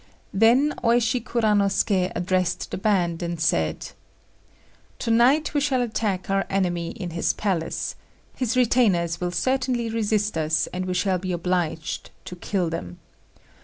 Then Oishi Kuranosuké addressed the band, and said "To night we shall attack our enemy in his palace; his retainers will certainly resist us, and we shall be obliged to kill them.